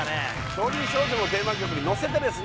「少林少女」のテーマ曲にのせてですね